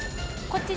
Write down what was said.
こっち。